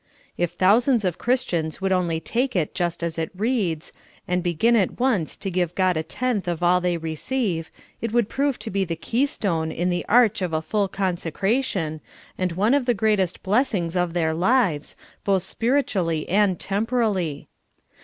If thousands of Christians would only take it just as it reads, and begin at once to give God a tenth of all the}^ receive, it would prove to be the ke5^stone in the arch of a full consecration, and one of the great est blessings of their lives, both spiritually and tem porally.